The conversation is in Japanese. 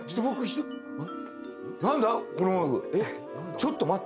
ちょっと待って。